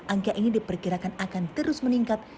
angka ini diperkirakan akan terus meningkat